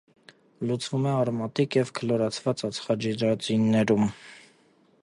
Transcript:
Լուծվում է արոմատիկ և քլորացված ածխաջրածիններում։